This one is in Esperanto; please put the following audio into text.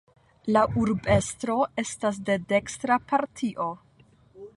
La urbestro estas de dekstra partio.